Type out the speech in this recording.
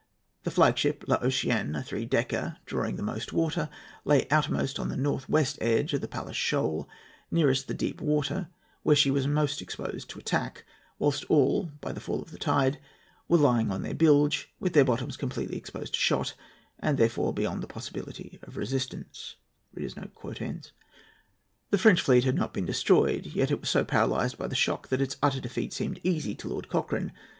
The flag ship, L'Océan, a three decker, drawing the most water, lay outermost on the north west edge of the Palles Shoal, nearest the deep water, where she was most exposed to attack; whilst all, by the fall of the tide, were lying on their bilge, with their bottoms completely exposed to shot, and therefore beyond the possibility of resistance." The French fleet had not been destroyed; yet it was so paralysed by the shock that its utter defeat seemed easy to Lord Cochrane.